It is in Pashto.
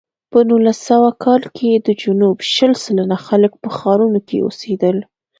په نولس سوه کال کې د جنوب شل سلنه خلک په ښارونو کې اوسېدل.